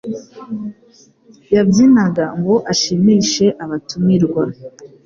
yabyinaga ngo ashimishe abatumirwa.